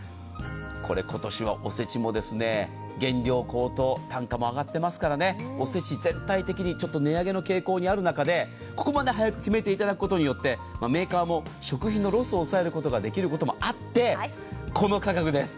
今年はおせちも原料高騰単価も上がっていますからおせち全体的に値上げの傾向にある中でここまで早く決めていただくことによってメーカーも食品のロスを抑えることができることもあってこの価格です。